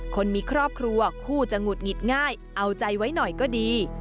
คนมีครอบครัวคู่จะหงุดหงิดง่ายเอาใจไว้หน่อยก็ดี